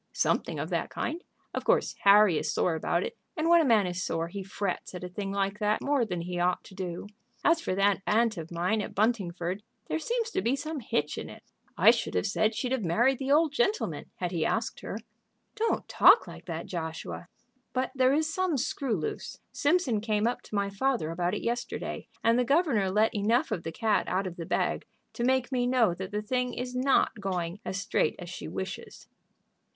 "Something of that kind. Of course Harry is sore about it, and when a man is sore he frets at a thing like that more than he ought to do. As for that aunt of mine at Buntingford, there seems to be some hitch in it. I should have said she'd have married the Old Gentleman had he asked her." "Don't talk like that, Joshua." "But there is some screw loose. Simpson came up to my father about it yesterday, and the governor let enough of the cat out of the bag to make me know that the thing is not going as straight as she wishes."